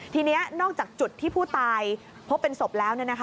ทีนี้นอกจากจุดที่ผู้ตายพบเป็นศพแล้ว